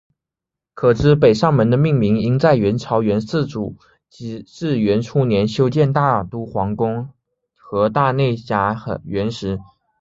可知北上门的命名应在元朝元世祖至元初年修建大都皇宫和大内夹垣时。